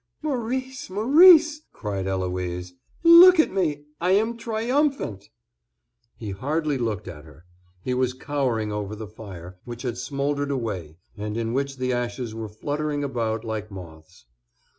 "Maurice, Maurice," cried Eloise, "look at me, I am triumphant!" He hardly looked at her; he was cowering over the fire, which had smouldered away, and in which the ashes were fluttering about like moths.